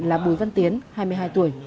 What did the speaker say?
là bùi văn tiến hai mươi hai tuổi